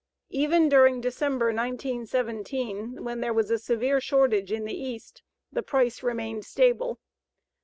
Even during December, 1917, when there was a severe shortage in the East, the price remained stable.